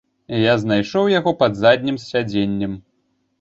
Я знайшоў яго пад заднім сядзеннем.